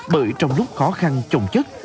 bởi trong lúc khó khăn trồng chất